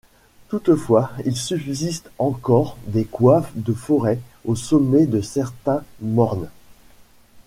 Toutefois, il subsiste encore des coiffes de forêt aux sommets de certains mornes.